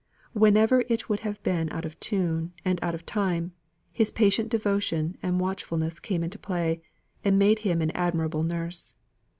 Whenever it would have been out of tune, and out of time, his patient devotion and watchfulness came into play, and made him an admirable nurse.